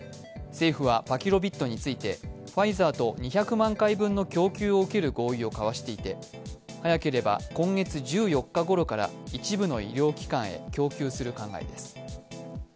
政府は、パキロビッドについてファイザーと２００万回分の供給を受ける合意を交わしていて早ければ今月１４日ごろから一部の医療機関へ供給する考えです。